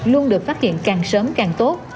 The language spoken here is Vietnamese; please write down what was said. luôn được phát hiện càng sớm càng tốt